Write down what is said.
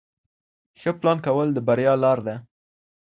ښه پلان کول د بریا لار ده.